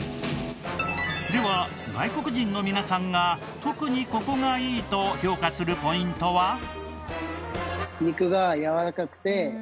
では外国人の皆さんが特にここがいいと評価するポイントは。